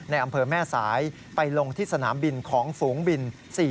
อำเภอแม่สายไปลงที่สนามบินของฝูงบิน๔๔